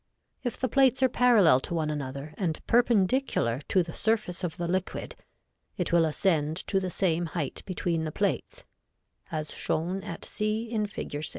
If the plates are parallel to one another and perpendicular to the surface of the liquid it will ascend to the same height between the plates, as shown at c in Fig.